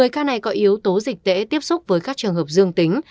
một mươi ca này có yếu tố dịch tễ tiếp xúc với các trường hợp dương tính